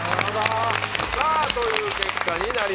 さぁという結果になりました。